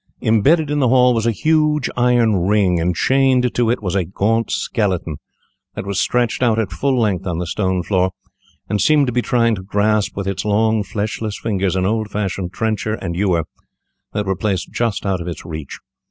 Imbedded in the wall was a huge iron ring, and chained to it was a gaunt skeleton, that was stretched out at full length on the stone floor, and seemed to be trying to grasp with its long fleshless fingers an old fashioned trencher and ewer, that were placed just out of its reach.